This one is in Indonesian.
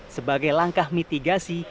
sebagai langkah mitigasi